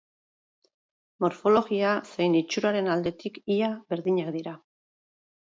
Morfologia zein itxuraren aldetik ia berdinak dira.